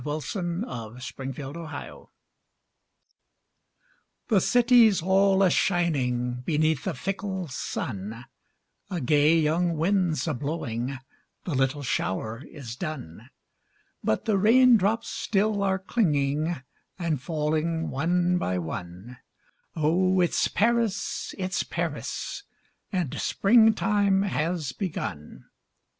Paris in Spring The city's all a shining Beneath a fickle sun, A gay young wind's a blowing, The little shower is done. But the rain drops still are clinging And falling one by one Oh it's Paris, it's Paris, And spring time has begun.